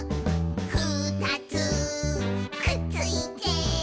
「ふたつくっついて」